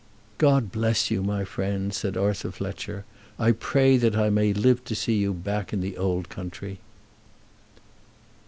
"God bless you, my friend," said Arthur Fletcher. "I pray that I may live to see you back in the old country."